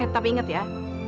tapi inget ya